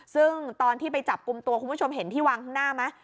ซึ่งตอนที่ไปจับกลุ่มตัวคุณผู้ชมเห็นที่วางข้างหน้าไหม